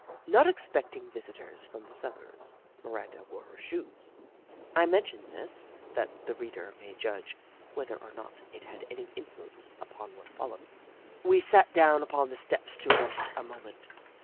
Not expecting visitors from the suburbs, Miranda wore her shoes. I mention this, that the reader may judge whether or not it had any influence upon what followed. We sat down upon the steps to rest a mo ment.